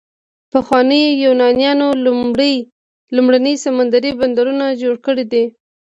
پخوانیو یونانیانو لومړني سمندري بندرونه جوړ کړي دي.